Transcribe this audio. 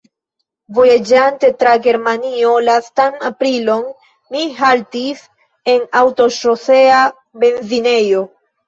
Vojaĝante tra Germanio lastan aprilon, mi haltis en aŭtoŝosea benzinejo.